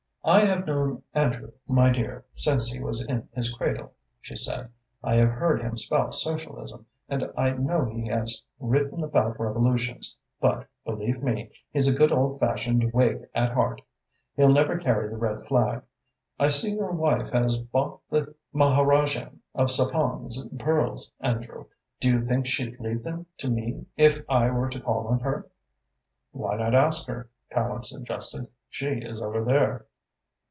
"I have known Andrew, my dear, since he was in his cradle," she said. "I have heard him spout Socialism, and I know he has written about revolutions, but, believe me, he's a good old fashioned Whig at heart. He'll never carry the red flag. I see your wife has bought the Maharajaim of Sapong's pearls, Andrew. Do you think she'd leave them to me if I were to call on her?" "Why not ask her?" Tallente suggested. "She is over there."